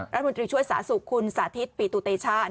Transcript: รัฐมนตรีช่วยสาธิตปีตุเตชา